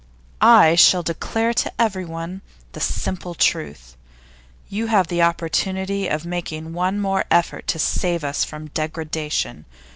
'I shall "declare to everyone" the simple truth. You have the opportunity of making one more effort to save us from degradation.